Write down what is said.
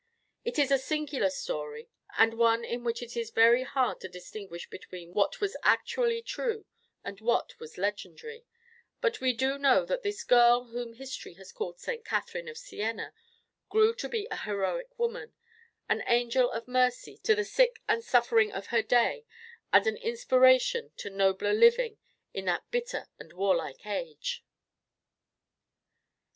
It is a singular story, and one in which it is very hard to distinguish between what was actually true and what was legendary, but we do know that this girl whom history has called St. Catherine of Siena grew to be a heroic woman, an angel of mercy to the sick and suffering of her day and an inspiration to nobler living in that bitter and warlike age.